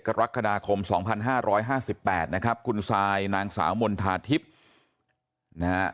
กรกฎาคม๒๕๕๘นะครับคุณซายนางสาวมณฑาทิพย์นะฮะ